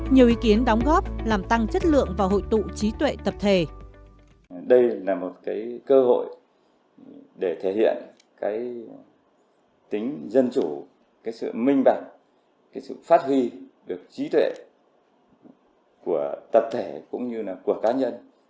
nhiều ý kiến đóng góp làm tăng chất lượng vào hội tụ trí tuệ tập thể